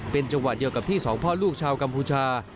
เป็นจังหวะเดียวกับที่สองพ่อลูกชาวกัมพูชา